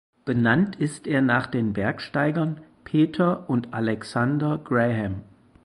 Benannt ist er nach den Bergsteigern Peter und Alexander Graham.